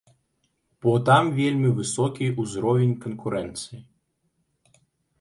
Бо там вельмі высокі ўзровень канкурэнцыі.